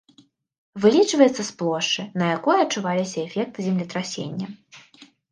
Вылічваецца з плошчы, на якой адчуваліся эфекты землетрасення.